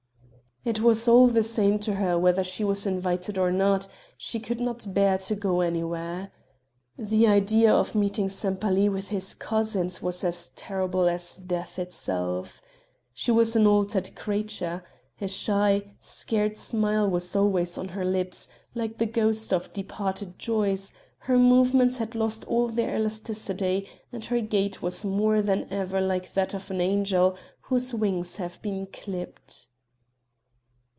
It was all the same to her whether she was invited or not she could not bear to go anywhere. The idea of meeting Sempaly with his cousins was as terrible as death itself. She was an altered creature. A shy, scared smile was always on her lips, like the ghost of departed joys, her movements had lost all their elasticity, and her gait was more than ever like that of an angel whose wings have been clipped.